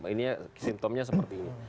ini simptomnya seperti ini